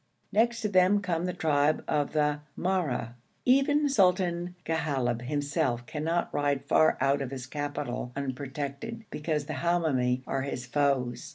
Next to them come the tribe of Mahra. Even Sultan Ghalib himself cannot ride far out of his capital unprotected, because the Hamoumi are his foes.